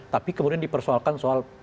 tapi kemudian dipersoalkan soal